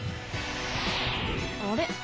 あれ？